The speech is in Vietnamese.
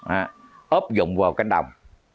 ấp dụng vào cánh đồng